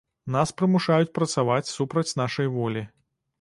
Нас прымушаюць працаваць супраць нашай волі.